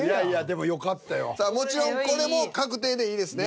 もちろんこれも確定でいいですね？